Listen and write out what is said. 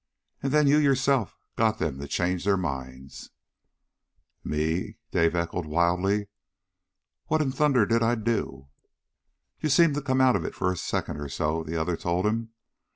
And then you, yourself, got them to change their minds." "Me?" Dave echoed wildly. "What in thunder did I do?" "You seemed to come out of it for a second or so," the other told him.